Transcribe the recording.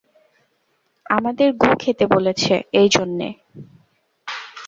আমাদের গু খেতে বলেছে, এই জন্যে?